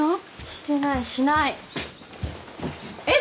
してないしないえっ？